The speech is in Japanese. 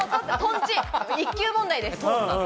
１級問題です。